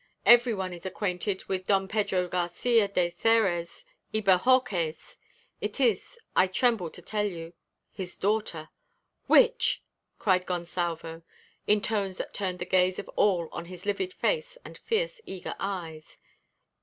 "Every one is acquainted with Don Pedro Garçia de Xeres y Bohorques. It is I tremble to tell you his daughter." "Which?" cried Gonsalvo, in tones that turned the gaze of all on his livid face and fierce eager eyes.